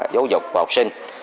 giáo dục của học sinh